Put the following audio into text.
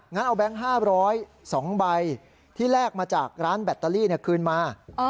งั้นเอาแบงค์๕๐๒ใบที่แลกมาจากร้านแบตเตอรี่คืนมา